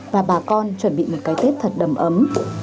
và bà con chuẩn bị một cái tết thật đầm ấm